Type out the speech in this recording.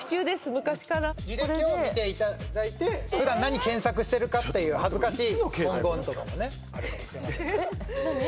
昔から履歴を見ていただいて普段何検索してるかっていう恥ずかしい文言とかもねあるかもしれませんから何？